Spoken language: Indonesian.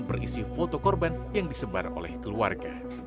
berisi foto korban yang disebar oleh keluarga